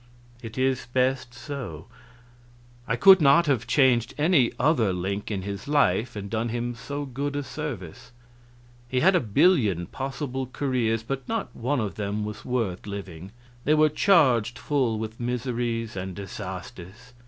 "It is best so. I could not have changed any other link in his life and done him so good a service. He had a billion possible careers, but not one of them was worth living; they were charged full with miseries and disasters.